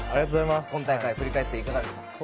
今大会、振り返っていかがですか？